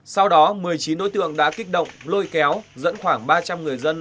sau đó một mươi chín đối tượng đã kích động lôi kéo dẫn khoảng ba trăm linh người dân